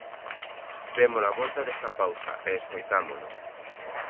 Vémolo á volta desta pausa e escoitámolo.